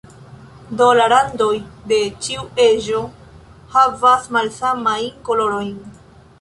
Do la randoj de ĉiu eĝo havas malsamajn kolorojn.